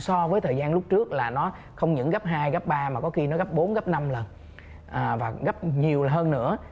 so với thời gian lúc trước là nó không những gấp hai gấp ba mà có khi nó gấp bốn gấp năm lần và gấp nhiều lần hơn nữa